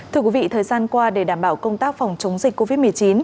thưa quý vị thời gian qua để đảm bảo công tác phòng chống dịch covid một mươi chín